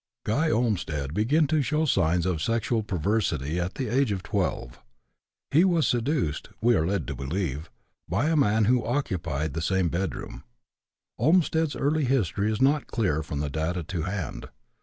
Guy Olmstead began to show signs of sexual perversity at the age of 12. He was seduced (we are led to believe) by a man who occupied the same bedroom. Olmstead's early history is not clear from the data to hand.